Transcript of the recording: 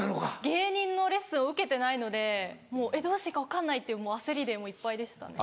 芸人のレッスンを受けてないのでどうしていいか分かんないってもう焦りでいっぱいでしたね。